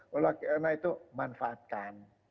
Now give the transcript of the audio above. kalau kena itu manfaatkan